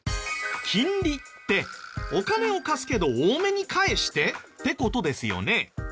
金利ってお金を貸すけど多めに返してって事ですよね。